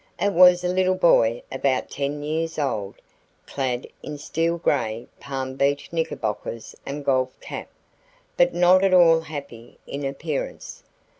It was a little boy about ten years old, clad in steel gray Palm Beach knickerbockers and golf cap, but not at all happy in appearance.